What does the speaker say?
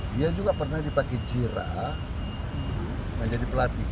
dia juga pernah dipakai jira menjadi pelatih